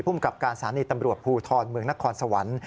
กับการสถานีตำรวจภูทรเมืองนครสวรรค์